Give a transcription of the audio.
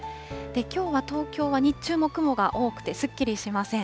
きょうは東京は日中も雲が多くて、すっきりしません。